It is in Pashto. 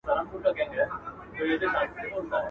کله سوړ نسیم چلیږي کله ټاکنده غرمه سي.